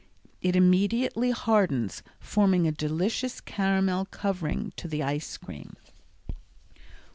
It immediately hardens, forming a delicious caramel covering to the ice cream.